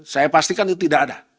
saya pastikan itu tidak ada